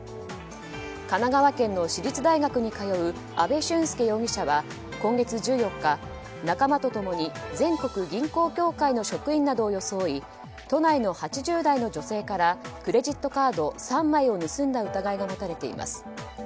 神奈川県の私立大学に通う阿部俊介容疑者は今月１４日、仲間と共に全国銀行協会の職員などを装い都内の８０代の女性からクレジットカード３枚を盗んだ疑いが持たれています。